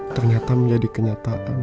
ternyata menjadi kenyataan